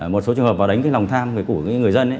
một số trường hợp vào đánh cái lòng tham của người dân